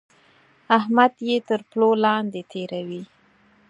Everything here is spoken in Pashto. احمد يې تر پلو لاندې تېروي.